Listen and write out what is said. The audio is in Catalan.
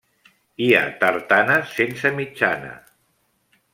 Hi ha tartanes sense mitjana.